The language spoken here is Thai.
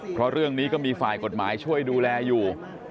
เพราะเรื่องนี้ก็มีฝ่ายกฎหมายช่วยดูแลอยู่